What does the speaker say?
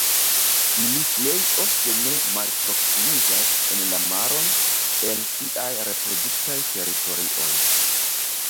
Ili plej ofte ne malproksimiĝas en la maron el siaj reproduktaj teritorioj.